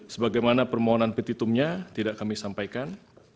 sebagaimana permohonan petitumnya tidak kami sampaikan